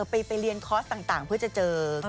ไปเรียนคอร์สต่างเพื่อจะเจอ